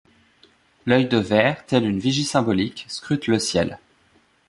L’œil de verre, tel une vigie symbolique, scrute le ciel.